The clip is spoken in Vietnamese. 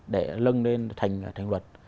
để lân lên thành luật